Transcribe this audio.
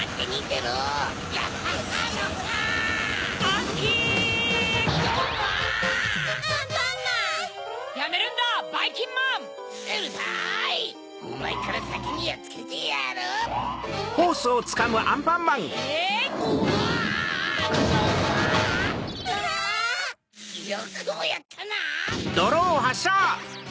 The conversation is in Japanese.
よくもやったな！